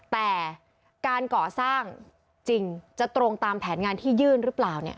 แต่การก่อสร้างจริงจะตรงตามแผนงานที่ยื่นหรือเปล่าเนี่ย